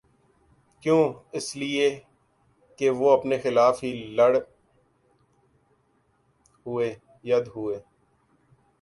کیوں اس لیے کہہ وہ اپن کیخلاف ہی لڑ ہوئے ید ہوئے